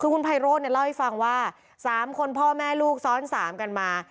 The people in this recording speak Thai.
คุณไพโรนเล่าให้ฟังว่า๓คนพ่อแม่ลูกซ้อนสามกันมา